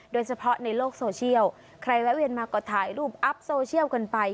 โดยเฉพาะในโลกโซเชียลใครแวะเวียนมาก็ถ่ายรูปอัพโซเชียลกันไป